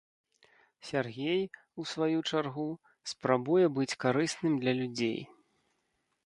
Сяргей, у сваю чаргу, спрабуе быць карысным для людзей.